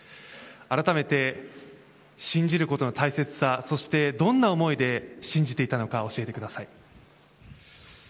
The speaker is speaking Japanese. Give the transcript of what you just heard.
改めて、信じることの大切さそして、どんな思いで信じていたのか教えてください。